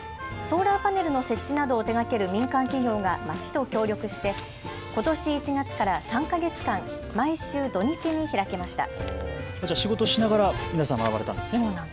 ソーラーパネルの設置などを手がける民間企業が町と協力してことし１月から３か月間、毎週土日に開きました。